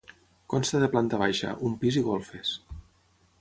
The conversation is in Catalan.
Consta de planta baixa, un pis i golfes.